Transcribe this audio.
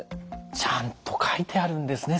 ちゃんと書いてあるんですね